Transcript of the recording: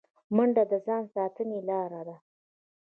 منډه د ځان ساتنې لاره ده